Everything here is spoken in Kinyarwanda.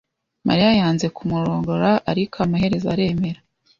Mariya yanze kumurongora, ariko amaherezo aremera.